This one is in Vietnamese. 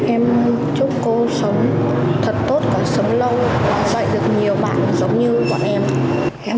em chúc cô sống thật tốt và sống lâu và dạy được nhiều bạn giống như bọn em